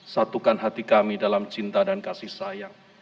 satukan hati kami dalam cinta dan kasih sayang